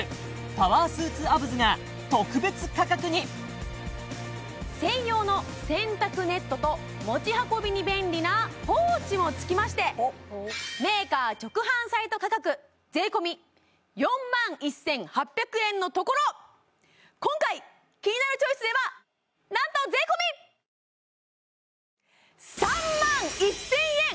パワースーツアブズが特別価格に専用の洗濯ネットと持ち運びに便利なポーチも付きましてメーカー直販サイト価格税込４万１８００円のところ今回「キニナルチョイス」ではなんと税込３万１０００円！